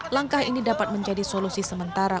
langkah ini dapat menjadi solusi sementara